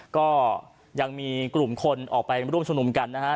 ก็ยังมีกลุ่มคนออกไปร่วมชุมนุมกันนะฮะ